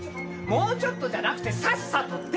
「もうちょっと」じゃなくて。